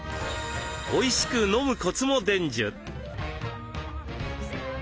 おいしく飲むコツも伝授。